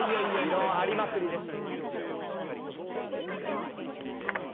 異論ありまくりです！